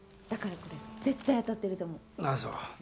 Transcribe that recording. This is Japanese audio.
だから絶対当たってると思う。